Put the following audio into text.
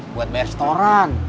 buat bayar setoran